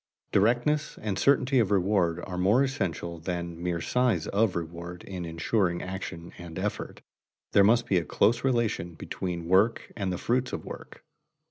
Directness and certainty of reward are more essential than mere size of reward in insuring action and effort. There must be a close relation between work and the fruits of work.